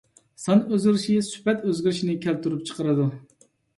سان ئۆزگىرىشى سۈپەت ئۆزگىرىشىنى كەلتۈرۈپ چىقىرىدۇ.